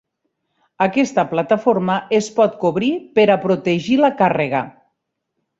Aquesta plataforma es pot cobrir per a protegir la càrrega.